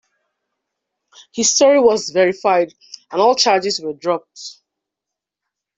His story was verified and all charges were dropped.